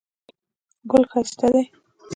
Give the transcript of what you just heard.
ګل ښایسته دی